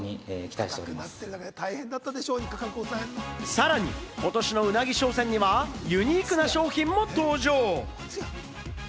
さらに、ことしのウナギ商戦にはユニークな商品も登場。